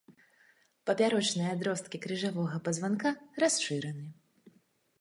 Папярочныя адросткі крыжавога пазванка расшыраны.